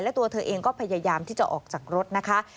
และตัวเธอเองก็พยายามที่จะออกจากรถนะคะ